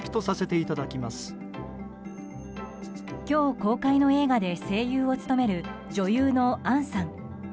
今日公開の映画で声優を務める女優の杏さん。